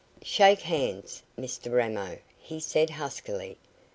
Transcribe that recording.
"Shake hands, Mr Ramo," he said huskily.